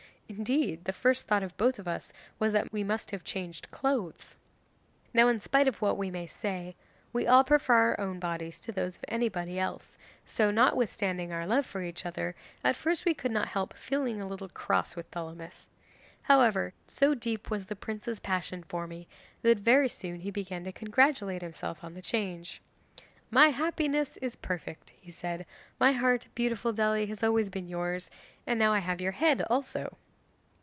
Indeed the first thought of both of us was that we must have changed clothes. 'Now in spite of what we may say, we all prefer our own bodies to those of anybody else, so notwithstanding our love for each other, at first we could not help feeling a little cross with Thelamis. However, so deep was the prince's passion for me, that very soon he began to congratulate himself on the change. "My happiness is perfect," he said; "my heart, beautiful Dely, has always been yours, and now I have your head also."